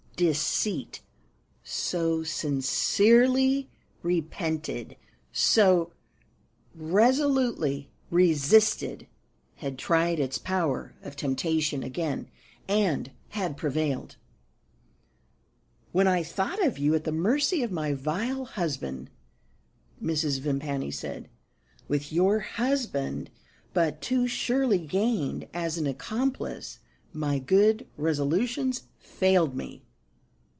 Deceit, so sincerely repented, so resolutely resisted, had tried its power of temptation again, and had prevailed. "When I thought of you at the mercy of my vile husband," Mrs. Vimpany said, "with your husband but too surely gained as an accomplice, my good resolutions failed me.